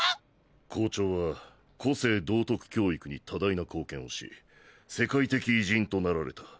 校長は個性道徳教育に多大な貢献をし世界的偉人となられた。